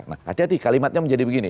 nah hati hati kalimatnya menjadi begini